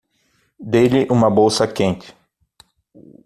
Dê-lhe uma bolsa quente